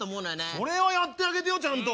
それはやってあげてよちゃんと。